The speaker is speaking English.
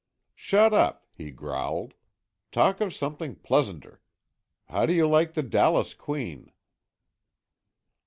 "Shut up!" he growled. "Talk of something pleasanter. How do you like the Dallas queen?"